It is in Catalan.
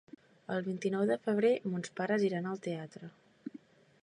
El vint-i-nou de febrer mons pares iran al teatre.